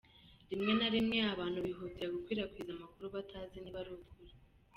Rimwe na rimwe, abantu bihutira gukwirakwiza amakuru batazi niba ari ukuri.